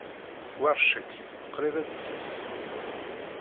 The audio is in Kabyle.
War ccek, qrib ad d-tas.